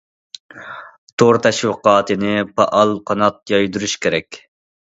تور تەشۋىقاتىنى پائال قانات يايدۇرۇش كېرەك.